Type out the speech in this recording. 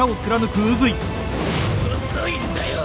遅いんだよ！